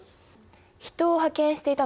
人を派遣していたのかな？